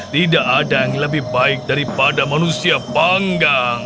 tidak ada yang lebih baik daripada manusia panggang